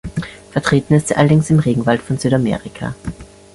Vertreten ist sie allerdings im Regenwald von Südamerika.